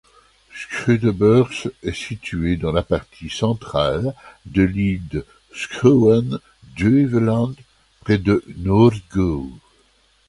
Schuddebeurs est situé dans la partie centrale de l'île de Schouwen-Duiveland, près de Noordgouwe.